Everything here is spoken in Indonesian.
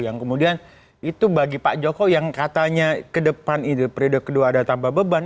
yang kemudian itu bagi pak jokowi yang katanya ke depan periode kedua ada tambah beban